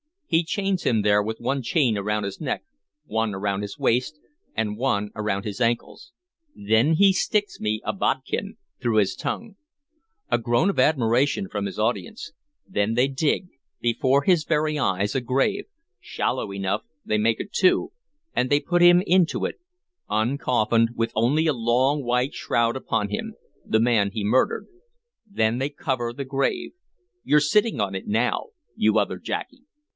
"He chains him there, with one chain around his neck, one around his waist, and one around his ankles. Then he sticks me a bodkin through his tongue." A groan of admiration from his audience. "Then they dig, before his very eyes, a grave, shallow enough they make it, too, and they put into it, uncoffined, with only a long white shroud upon him, the man he murdered. Then they cover the grave. You're sitting on it now, you other Jacky."